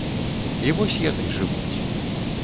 І вось яны жывуць.